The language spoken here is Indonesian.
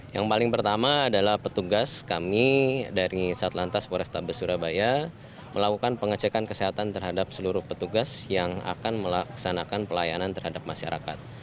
yang paling pertama adalah petugas kami dari satlantas polrestabes surabaya melakukan pengecekan kesehatan terhadap seluruh petugas yang akan melaksanakan pelayanan terhadap masyarakat